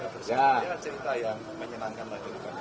kita bersama dengan cerita yang menyenangkan lagi